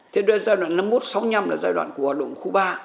thế nên giai đoạn năm mươi một sáu mươi năm là giai đoạn của hoạt động ở khu ba